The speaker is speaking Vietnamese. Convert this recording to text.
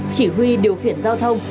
chỉ huy điều khiển giao thông